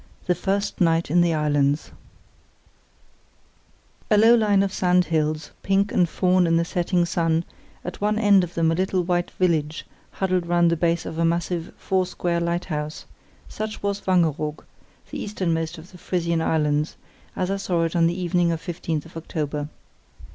The First Night in the Islands A low line of sandhills, pink and fawn in the setting sun, at one end of them a little white village huddled round the base of a massive four square lighthouse—such was Wangeroog, the easternmost of the Frisian Islands, as I saw it on the evening of October 15.